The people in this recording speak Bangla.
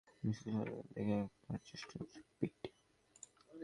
আমি শুধু যোগসূত্রটা খুঁজে বের করার চেষ্টা করছি, পিট।